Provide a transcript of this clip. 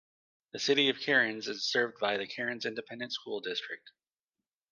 The City of Kerens is served by the Kerens Independent School District.